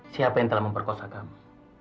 siapa yang telah memperkosa kami